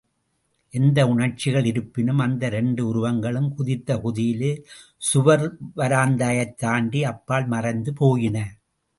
எந்த உணர்ச்சிகள் இருப்பினும் அந்த இரண்டு உருவங்களும் குதித்த குதியிலே, சுவர் வரந்தையைத் தாண்டி அப்பால் மறைந்து போயின.